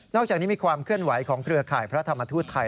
อกจากนี้มีความเคลื่อนไหวของเครือข่ายพระธรรมทูตไทย